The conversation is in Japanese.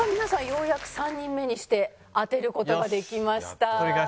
ようやく３人目にして当てる事ができました。